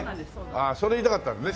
ああそれ言いたかったのね。